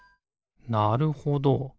なるほど。